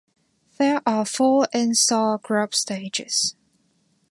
There are four instar grub stages.